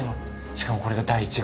しかもこれが第１号。